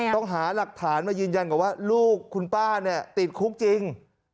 ต้องหาหลักฐานมายืนยันก่อนว่าลูกคุณป้าเนี่ยติดคุกจริง